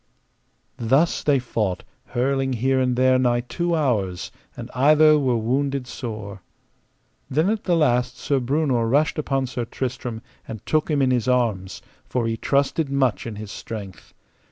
Thus they fought, hurling here and there nigh two hours, and either were wounded sore. Then at the last Sir Breunor rashed upon Sir Tristram and took him in his arms, for he trusted much in his strength.